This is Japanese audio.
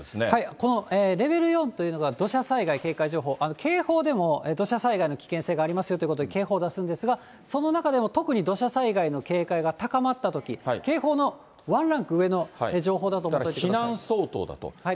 このレベル４というのが、土砂災害警戒情報、警報でも、土砂災害の危険性がありますよということで、警報出すんですが、その中でも特に土砂災害の警戒が高まったとき、警報のワンランク上の情報だと思ってください。